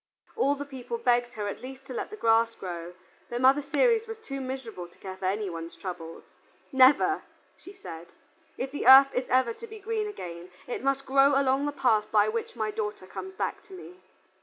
All the people begged her at least to let the grass grow, but Mother Ceres was too miserable to care for any one's trouble. "Never," she said. "If the earth is ever to be green again, it must grow along the path by which my daughter comes back to me."